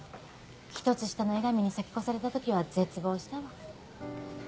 １つ下の江上に先越された時は絶望したわ。